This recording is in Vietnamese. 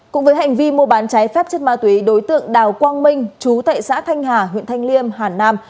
cũng với hành vi mua bán trái phép chất ma túy đối tượng đào quang minh chú tại xã thanh hà huyện thanh liêm hà nam